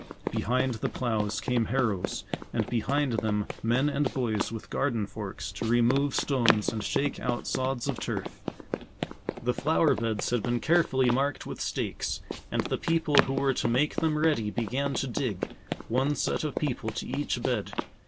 Behind the plows came harrows, and behind them men and boys with garden forks, to remove stones and shake out sods of turf. The flower beds had been carefully marked with stakes, and the people who were to make them ready began to dig, one set of people to each bed.